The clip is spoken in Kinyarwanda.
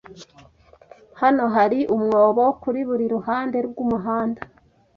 Hano hari umwobo kuri buri ruhande rwumuhanda.